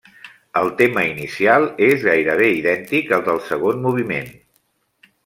El tema inicial és gairebé idèntic al del segon moviment.